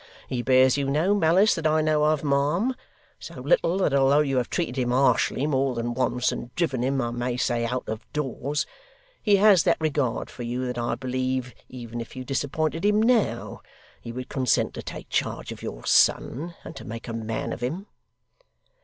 He bears you no malice that I know of, ma'am: so little, that although you have treated him harshly more than once, and driven him, I may say, out of doors, he has that regard for you that I believe even if you disappointed him now, he would consent to take charge of your son, and to make a man of him.